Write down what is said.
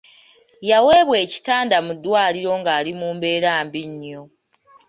Yaweebwa ekitanda mu ddwaliro ng'ali mu mbeera mbi nnyo.